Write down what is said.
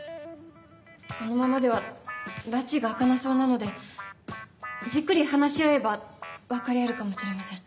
このままではらちが明かなそうなのでじっくり話し合えば分かり合えるかもしれません。